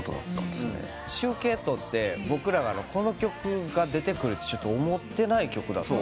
集計取ってこの曲が出てくるってちょっと思ってない曲だった。